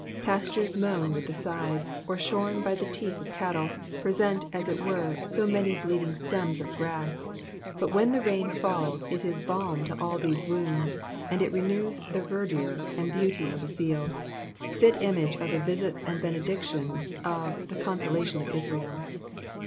Pastures mown with the scythe, or shorn by the tteth of cattle, present, as it were, so many bleeding stems of grass, but when the rain falls it is balm to all these wounds, and it renews the verdure and beouty of the field ; fit image of the visits add benedictions of ''the consolation of Israel.''